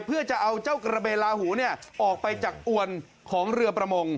เพื่อจะเอาเจ้ากระเบลาหูออกไปจากอวนของเรือประมง